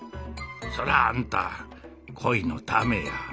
そらあんた恋のためや。